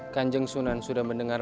kanjeng sunan sudah mendengar